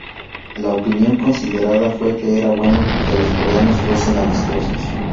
La opinión considerada fue que era bueno que los coreanos fuesen 'amistosos.